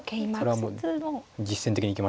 これはもう実戦的に行きました。